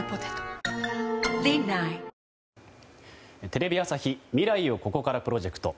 テレビ朝日未来をここからプロジェクト。